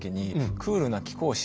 クールな貴公子！